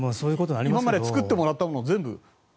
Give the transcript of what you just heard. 今まで作ってもらったものを全部。